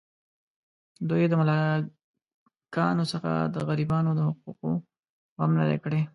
دوی د ملاکانو څخه د غریبانو د حقوقو غم نه دی کړی.